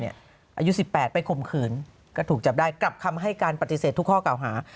อายุ๑๘ไปข่มขืนก็ถูกจับได้กลับคำให้การปฏิเสธทุกข้อเก่าหา